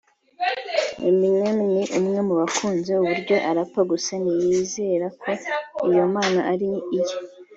Eminem ni umwe mu bakunze uburyo arapa gusa ntiyizera ko iyo mpano ari iye